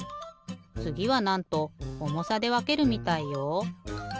つぎはなんと重さでわけるみたいよ。